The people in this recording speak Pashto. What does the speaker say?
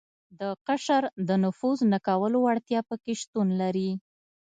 د قشر د نفوذ نه کولو وړتیا په کې شتون لري.